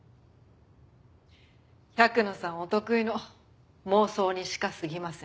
百野さんお得意の妄想にしか過ぎません。